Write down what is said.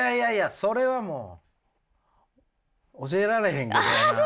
それはもう教えられへんけどな。